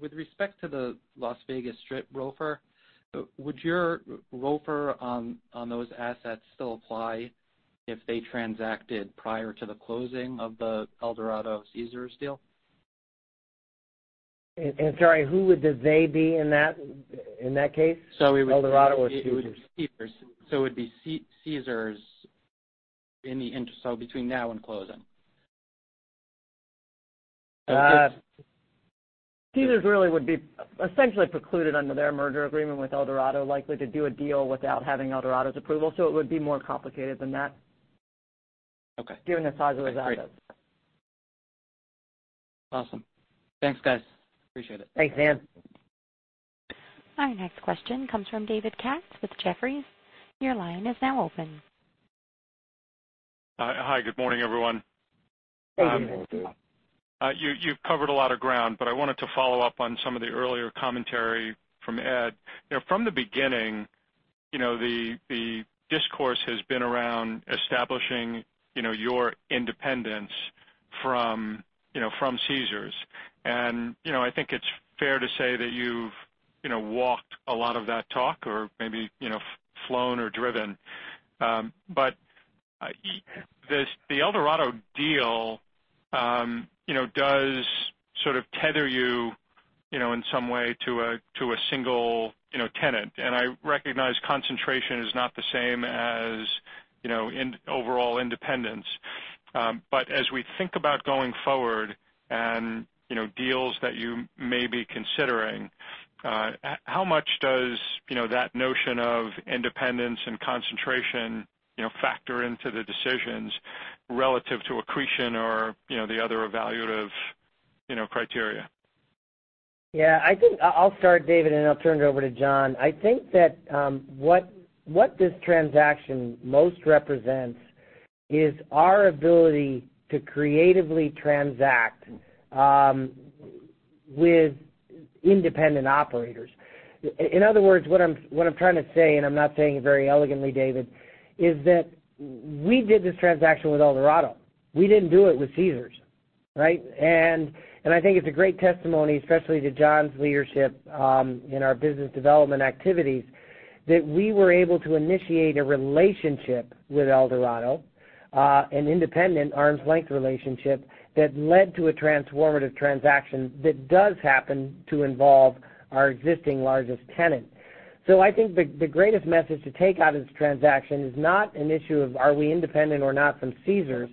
Speaker 11: with respect to the Las Vegas Strip ROFR, would your ROFR on those assets still apply if they transacted prior to the closing of the Eldorado-Caesars deal?
Speaker 3: Sorry, who would the they be in that case?
Speaker 11: So it would be-
Speaker 3: Eldorado or Caesars?
Speaker 11: It would be Caesars, between now and closing.
Speaker 3: Caesars really would be essentially precluded under their merger agreement with Eldorado, likely to do a deal without having Eldorado's approval. It would be more complicated than that.
Speaker 11: Okay.
Speaker 3: Given the size of the assets.
Speaker 11: Awesome. Thanks, guys. Appreciate it.
Speaker 3: Thanks, Dan.
Speaker 1: Our next question comes from David Katz with Jefferies. Your line is now open.
Speaker 12: Hi. Good morning, everyone.
Speaker 3: Good morning.
Speaker 12: You've covered a lot of ground, but I wanted to follow up on some of the earlier commentary from Ed. From the beginning, the discourse has been around establishing your independence from Caesars. I think it's fair to say that you've walked a lot of that talk or maybe flown or driven. The Eldorado deal does sort of tether you in some way to a single tenant. I recognize concentration is not the same as overall independence. As we think about going forward and deals that you may be considering, how much does that notion of independence and concentration factor into the decisions relative to accretion or the other evaluative criteria?
Speaker 3: Yeah. I think I'll start, David, and I'll turn it over to John. I think that what this transaction most represents is our ability to creatively transact with independent operators. In other words, what I'm trying to say, and I'm not saying it very elegantly, David, is that we did this transaction with Eldorado. We didn't do it with Caesars. Right? I think it's a great testimony, especially to John's leadership in our business development activities, that we were able to initiate a relationship with Eldorado, an independent arm's length relationship that led to a transformative transaction that does happen to involve our existing largest tenant. I think the greatest message to take out of this transaction is not an issue of are we independent or not from Caesars.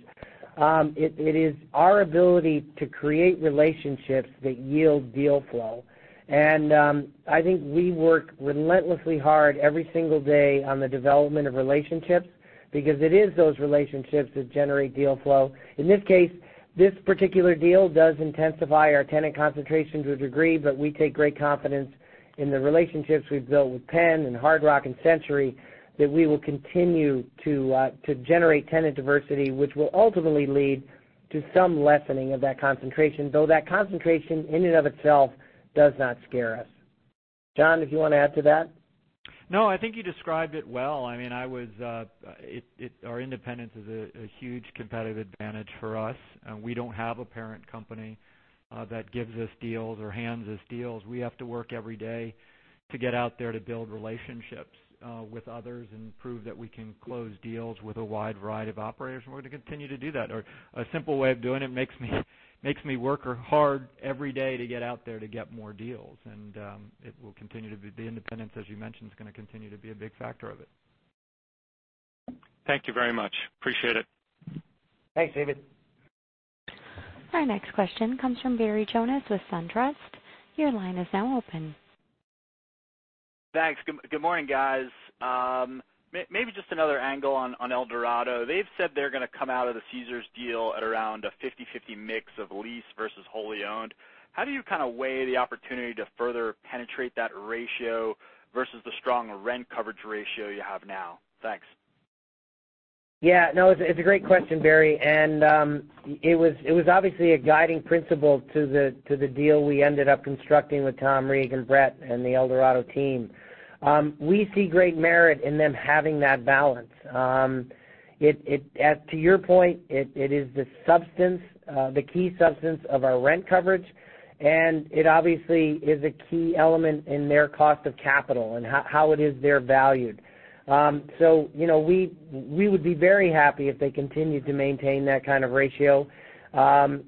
Speaker 3: It is our ability to create relationships that yield deal flow. I think we work relentlessly hard every single day on the development of relationships because it is those relationships that generate deal flow. In this case, this particular deal does intensify our tenant concentration to a degree, we take great confidence in the relationships we've built with PENN and Hard Rock and Century, that we will continue to generate tenant diversity, which will ultimately lead to some lessening of that concentration, though that concentration in and of itself does not scare us. John, if you want to add to that?
Speaker 4: No, I think you described it well. Our independence is a huge competitive advantage for us. We don't have a parent company that gives us deals or hands us deals. We have to work every day to get out there to build relationships with others and prove that we can close deals with a wide variety of operators, and we're going to continue to do that. A simple way of doing it makes me work hard every day to get out there to get more deals, and the independence, as you mentioned, is going to continue to be a big factor of it.
Speaker 12: Thank you very much. Appreciate it.
Speaker 3: Thanks, David.
Speaker 1: Our next question comes from Barry Jonas with SunTrust. Your line is now open.
Speaker 13: Thanks. Good morning, guys. Maybe just another angle on Eldorado. They've said they're going to come out of the Caesars deal at around a 50/50 mix of lease versus wholly owned. How do you kind of weigh the opportunity to further penetrate that ratio versus the strong rent coverage ratio you have now? Thanks.
Speaker 3: Yeah. It's a great question, Barry. It was obviously a guiding principle to the deal we ended up constructing with Tom Reeg and Brett and the Eldorado team. We see great merit in them having that balance. To your point, it is the key substance of our rent coverage, and it obviously is a key element in their cost of capital and how it is they're valued. We would be very happy if they continued to maintain that kind of ratio. The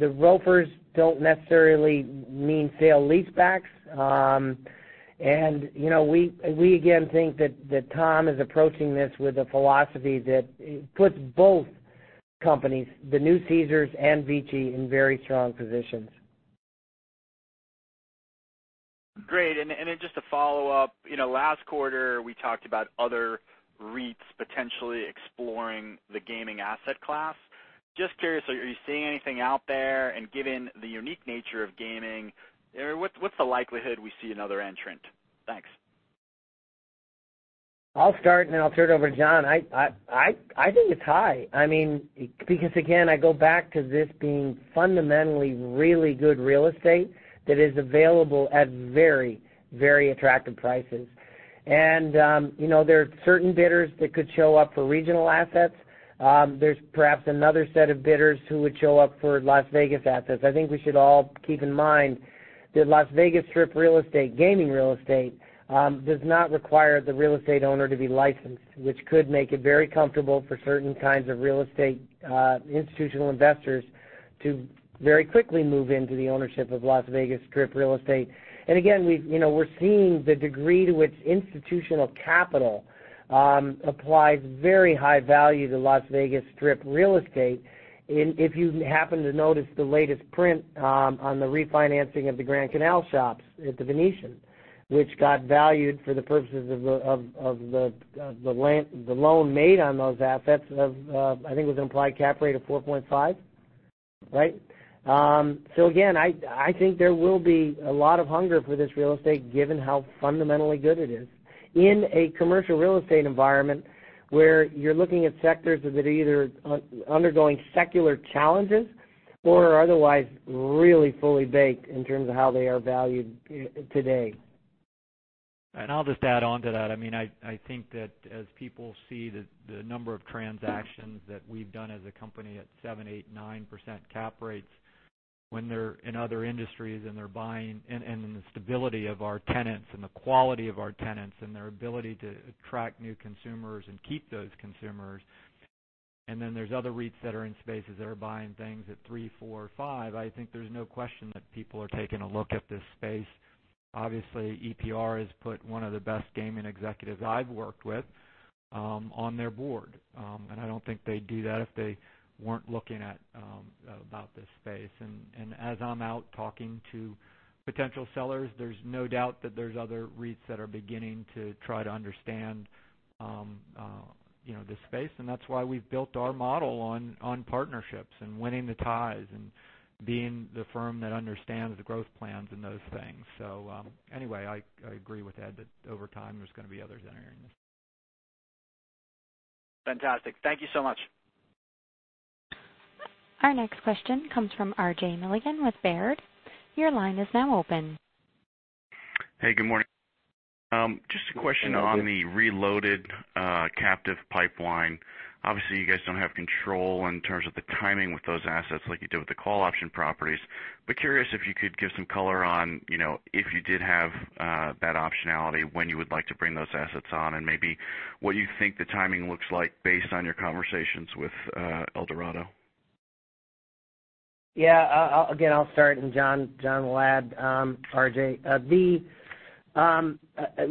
Speaker 3: ROFRs don't necessarily mean sale-leasebacks. We again think that Tom is approaching this with a philosophy that puts both companies, the new Caesars and VICI, in very strong positions.
Speaker 13: Great. Just to follow up, last quarter, we talked about other REITs potentially exploring the gaming asset class. Just curious, are you seeing anything out there? Given the unique nature of gaming, what's the likelihood we see another entrant? Thanks.
Speaker 3: I'll start then I'll turn it over to John. I think it's high. Again, I go back to this being fundamentally really good real estate that is available at very attractive prices. There are certain bidders that could show up for regional assets. There's perhaps another set of bidders who would show up for Las Vegas assets. I think we should all keep in mind that Las Vegas Strip real estate, gaming real estate, does not require the real estate owner to be licensed, which could make it very comfortable for certain kinds of real estate institutional investors to very quickly move into the ownership of Las Vegas Strip real estate. Again, we're seeing the degree to which institutional capital applies very high value to Las Vegas Strip real estate. If you happen to notice the latest print on the refinancing of the Grand Canal Shoppes at The Venetian, which got valued for the purposes of the loan made on those assets of, I think it was an implied cap rate of 4.5. Right? Again, I think there will be a lot of hunger for this real estate, given how fundamentally good it is in a commercial real estate environment where you're looking at sectors that are either undergoing secular challenges or are otherwise really fully baked in terms of how they are valued today.
Speaker 4: I'll just add on to that. I think that as people see the number of transactions that we've done as a company at 7%, 8%, 9% cap rates when they're in other industries and they're buying, and the stability of our tenants and the quality of our tenants and their ability to attract new consumers and keep those consumers, and then there's other REITs that are in spaces that are buying things at 3%, 4%, or 5%, I think there's no question that people are taking a look at this space. Obviously, EPR has put one of the best gaming executives I've worked with on their board. I don't think they'd do that if they weren't looking at about this space. As I'm out talking to potential sellers, there's no doubt that there's other REITs that are beginning to try to understand this space. That's why we've built our model on partnerships and winning the ties and being the firm that understands the growth plans and those things. Anyway, I agree with Ed that over time there's going to be others entering this.
Speaker 13: Fantastic. Thank you so much.
Speaker 1: Our next question comes from RJ Milligan with Baird. Your line is now open.
Speaker 14: Hey, good morning. Just a question on the reloaded captive pipeline. Obviously, you guys don't have control in terms of the timing with those assets like you do with the call option properties. Curious if you could give some color on, if you did have that optionality, when you would like to bring those assets on, and maybe what you think the timing looks like based on your conversations with Eldorado.
Speaker 3: Yeah. Again, I'll start, and John will add, RJ.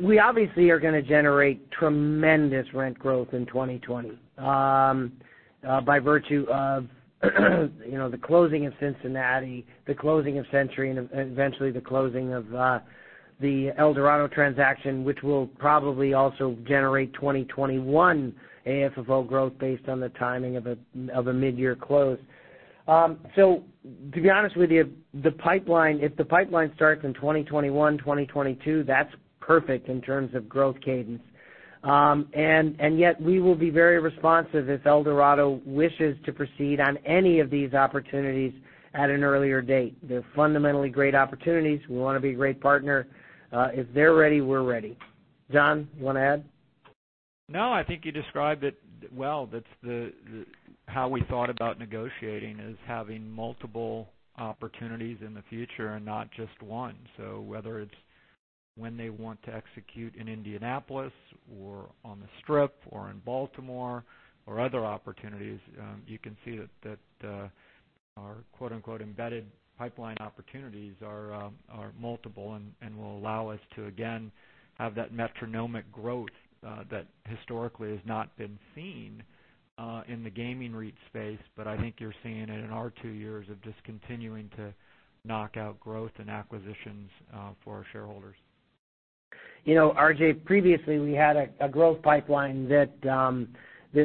Speaker 3: We obviously are going to generate tremendous rent growth in 2020, by virtue of the closing of Cincinnati, the closing of Century, and eventually the closing of the Eldorado transaction, which will probably also generate 2021 AFFO growth based on the timing of a mid-year close. To be honest with you, if the pipeline starts in 2021, 2022, that's perfect in terms of growth cadence. Yet, we will be very responsive if Eldorado wishes to proceed on any of these opportunities at an earlier date. They're fundamentally great opportunities. We want to be a great partner. If they're ready, we're ready. John, you want to add?
Speaker 4: I think you described it well. That's how we thought about negotiating, is having multiple opportunities in the future and not just one. Whether it's when they want to execute in Indianapolis or on the Strip or in Baltimore or other opportunities, you can see that our quote unquote embedded pipeline opportunities are multiple and will allow us to, again, have that metronomic growth that historically has not been seen in the gaming REIT space. I think you're seeing it in our two years of just continuing to knock out growth and acquisitions for our shareholders.
Speaker 3: RJ, previously, we had a growth pipeline that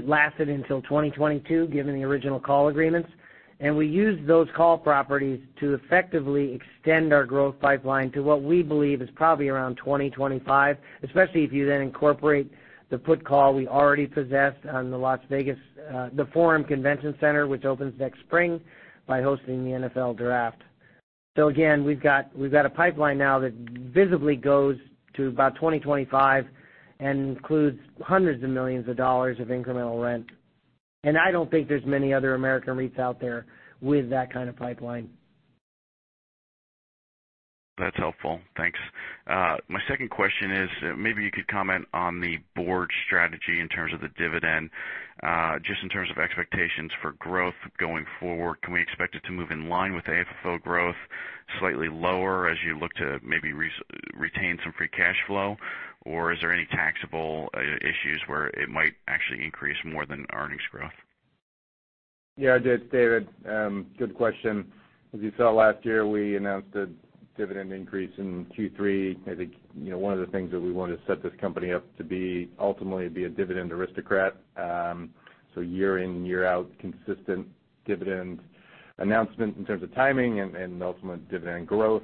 Speaker 3: lasted until 2022, given the original call agreements. We used those call properties to effectively extend our growth pipeline to what we believe is probably around 2025, especially if you then incorporate the put call we already possessed on the Las Vegas Caesars Forum, which opens next spring by hosting the NFL Draft. Again, we've got a pipeline now that visibly goes to about 2025 and includes $ hundreds of millions of incremental rent. I don't think there's many other American REITs out there with that kind of pipeline.
Speaker 14: That's helpful. Thanks. My second question is, maybe you could comment on the board strategy in terms of the dividend. Just in terms of expectations for growth going forward, can we expect it to move in line with AFFO growth, slightly lower as you look to maybe retain some free cash flow, or is there any taxable issues where it might actually increase more than earnings growth?
Speaker 5: Yeah, RJ, it's David. Good question. As you saw last year, we announced a dividend increase in Q3. I think one of the things that we want to set this company up to be, ultimately, be a dividend aristocrat. Year in, year out, consistent dividend announcement in terms of timing and ultimate dividend growth.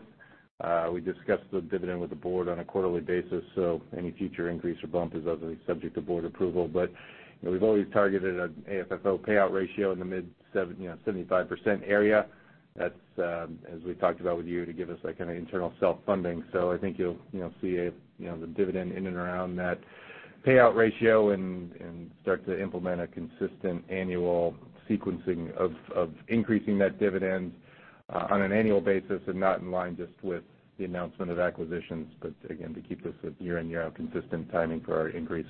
Speaker 5: We discussed the dividend with the board on a quarterly basis, so any future increase or bump is obviously subject to board approval. We've always targeted an AFFO payout ratio in the mid 75% area. That's, as we've talked about with you, to give us that kind of internal self-funding. I think you'll see the dividend in and around that payout ratio and start to implement a consistent annual sequencing of increasing that dividend on an annual basis and not in line just with the announcement of acquisitions, but again, to keep this a year in, year out consistent timing for our increase.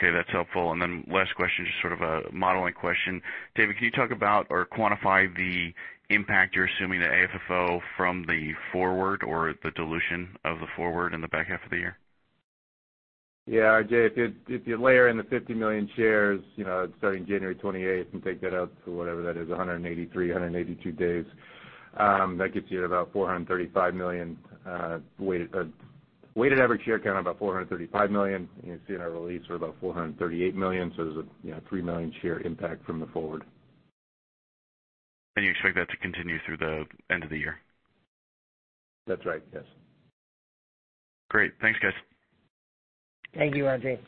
Speaker 14: Okay, that's helpful. Last question, just sort of a modeling question. David, can you talk about or quantify the impact you're assuming to AFFO from the forward or the dilution of the forward in the back half of the year?
Speaker 5: RJ, if you layer in the 50 million shares starting January 28th and take that out to whatever that is, 183, 182 days, that gets you at about 435 million, weighted average share count of about 435 million. You can see in our release we're about 438 million, there's a three million share impact from the forward.
Speaker 14: You expect that to continue through the end of the year?
Speaker 5: That's right, yes.
Speaker 14: Great. Thanks, guys.
Speaker 3: Thank you, RJ.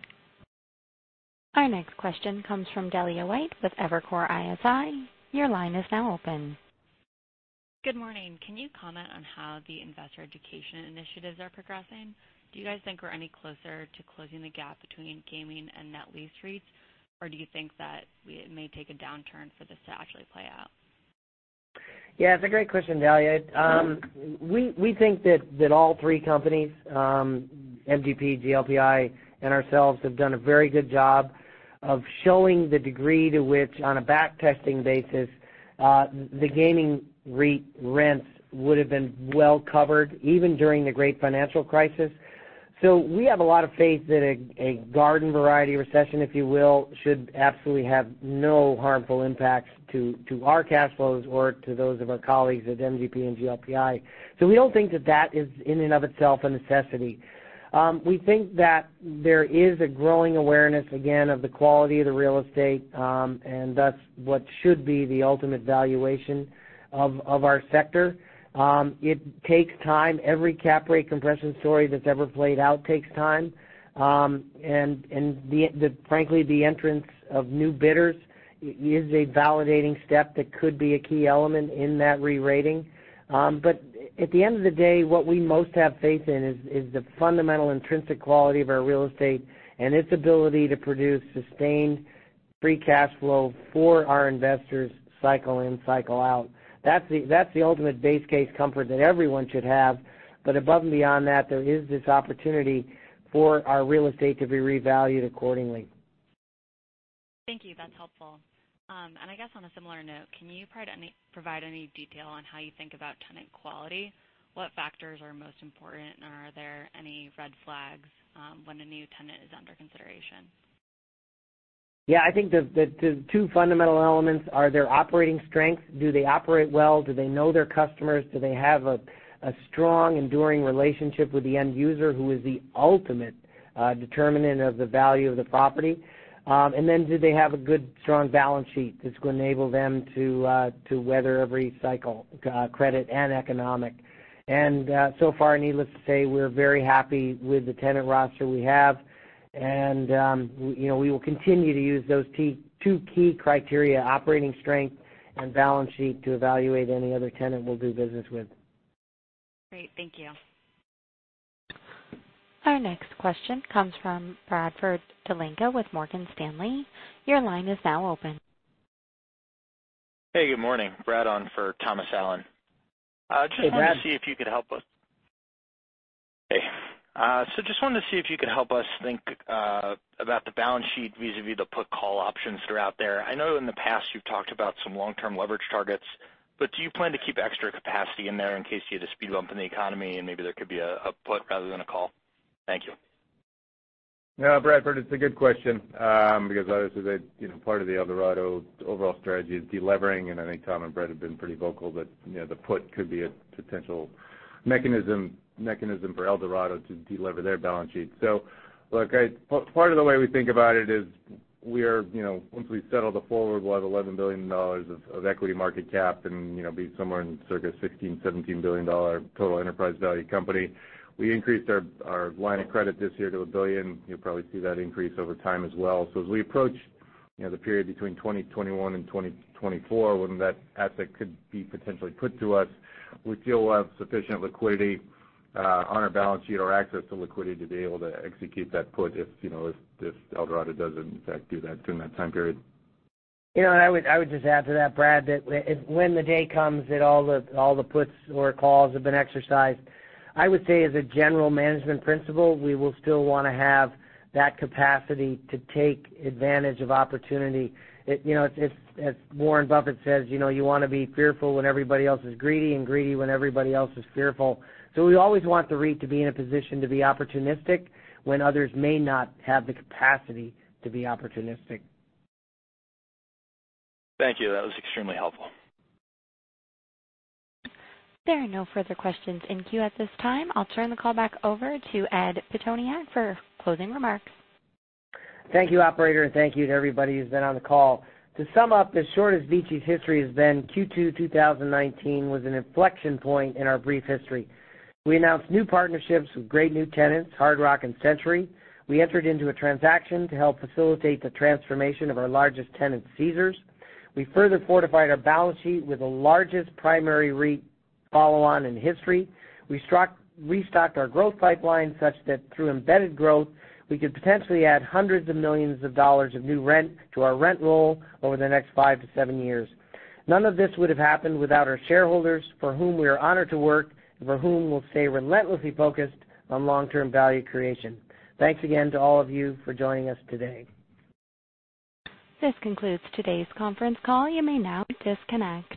Speaker 1: Our next question comes from Delia Whyte with Evercore ISI. Your line is now open.
Speaker 15: Good morning. Can you comment on how the investor education initiatives are progressing? Do you guys think we're any closer to closing the gap between gaming and net lease REITs, or do you think that it may take a downturn for this to actually play out?
Speaker 3: Yeah, it's a great question, Delia. We think that all three companies, MGP, GLPI, and ourselves, have done a very good job of showing the degree to which, on a back testing basis, the gaming REIT rents would've been well covered, even during the great financial crisis. We have a lot of faith that a garden variety recession, if you will, should absolutely have no harmful impacts to our cash flows or to those of our colleagues at MGP and GLPI. We don't think that that is in and of itself a necessity. We think that there is a growing awareness, again, of the quality of the real estate, and thus what should be the ultimate valuation of our sector. It takes time. Every cap rate compression story that's ever played out takes time. Frankly, the entrance of new bidders is a validating step that could be a key element in that re-rating. At the end of the day, what we most have faith in is the fundamental intrinsic quality of our real estate and its ability to produce sustained free cash flow for our investors, cycle in, cycle out. That's the ultimate base case comfort that everyone should have. Above and beyond that, there is this opportunity for our real estate to be revalued accordingly.
Speaker 15: Thank you. That's helpful. I guess on a similar note, can you provide any detail on how you think about tenant quality? What factors are most important, and are there any red flags when a new tenant is under consideration?
Speaker 3: Yeah, I think the two fundamental elements are their operating strength. Do they operate well? Do they know their customers? Do they have a strong, enduring relationship with the end user, who is the ultimate determinant of the value of the property? Then do they have a good, strong balance sheet that's going to enable them to weather every cycle, credit and economic? So far, needless to say, we're very happy with the tenant roster we have. We will continue to use those two key criteria, operating strength and balance sheet, to evaluate any other tenant we'll do business with.
Speaker 15: Great. Thank you.
Speaker 1: Our next question comes from Bradford Dalinka with Morgan Stanley. Your line is now open.
Speaker 16: Hey, good morning. Brad on for Thomas Allen.
Speaker 3: Hey, Brad.
Speaker 16: Just wanted to see if you could help us. Hey. Just wanted to see if you could help us think about the balance sheet vis-a-vis the put call options that are out there. I know in the past you've talked about some long-term leverage targets, but do you plan to keep extra capacity in there in case you hit a speed bump in the economy and maybe there could be a put rather than a call? Thank you.
Speaker 5: Yeah, Bradford Dalinka, it's a good question. Obviously part of the Eldorado overall strategy is delevering, I think Tom and Brett have been pretty vocal that the put could be a potential mechanism for Eldorado to delever their balance sheet. Look, part of the way we think about it is once we settle the forward, we'll have $11 billion of equity market cap and be somewhere in circa $16 billion, $17 billion total enterprise value company. We increased our line of credit this year to $1 billion. You'll probably see that increase over time as well. As we approach the period between 2021 and 2024, when that asset could be potentially put to us, we feel we'll have sufficient liquidity on our balance sheet or access to liquidity to be able to execute that put if Eldorado does in fact do that during that time period.
Speaker 3: I would just add to that, Brad, that when the day comes that all the puts or calls have been exercised, I would say as a general management principle, we will still want to have that capacity to take advantage of opportunity. As Warren Buffett says, you want to be fearful when everybody else is greedy and greedy when everybody else is fearful. We always want the REIT to be in a position to be opportunistic when others may not have the capacity to be opportunistic.
Speaker 16: Thank you. That was extremely helpful.
Speaker 1: There are no further questions in queue at this time. I'll turn the call back over to Ed Pitoniak for closing remarks.
Speaker 3: Thank you, operator, and thank you to everybody who's been on the call. To sum up, as short as VICI's history has been, Q2 2019 was an inflection point in our brief history. We announced new partnerships with great new tenants, Hard Rock and Century. We entered into a transaction to help facilitate the transformation of our largest tenant, Caesars. We further fortified our balance sheet with the largest primary REIT follow-on in history. We restocked our growth pipeline such that through embedded growth, we could potentially add hundreds of millions of dollars of new rent to our rent roll over the next five to seven years. None of this would have happened without our shareholders, for whom we are honored to work and for whom we'll stay relentlessly focused on long-term value creation. Thanks again to all of you for joining us today.
Speaker 1: This concludes today's conference call. You may now disconnect.